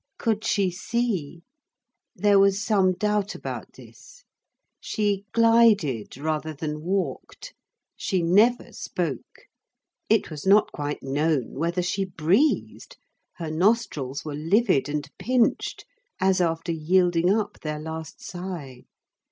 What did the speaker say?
Could she see? There was some doubt about this. She glided rather than walked, she never spoke; it was not quite known whether she breathed. Her nostrils were livid and pinched as after yielding up their last sigh.